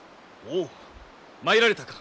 おう参られたか。